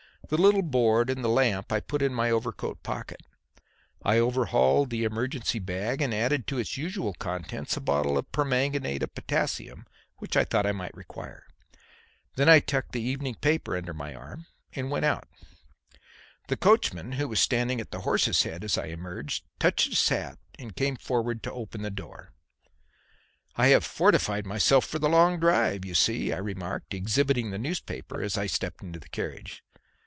The little board and the lamp I put in my overcoat pocket; I overhauled the emergency bag and added to its usual contents a bottle of permanganate of potassium which I thought I might require. Then I tucked the evening paper under my arm and went out. The coachman, who was standing at the horse's head as I emerged, touched his hat and came forward to open the door. "I have fortified myself for the long drive, you see," I remarked, exhibiting the newspaper as I stepped into the carriage.